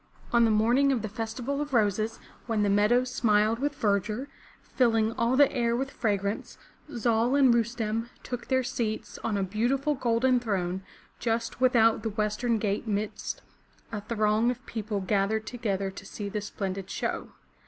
On the morning of the Festival of Roses, when the meadows smiled with verdure, filling all the air with fragrance, Zal and Rustem took their seats on a beautiful golden throne just without the western gate midst a throng of people gathered together to see the splendid show.